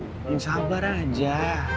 udah sabar aja